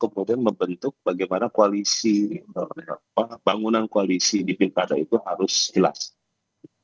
kebutuhan koalisi partai politik seluruh pilkada itu akan terjadi di bulan agustus sehingga saya